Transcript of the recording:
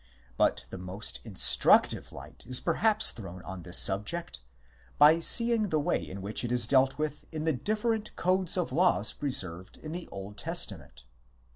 But the most instructive light is perhaps thrown on this subject by seeing the way in which it is dealt with in the different codes of laws preserved in the Old Testa ment.